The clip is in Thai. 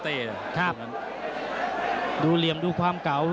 ตอนนี้มันถึง๓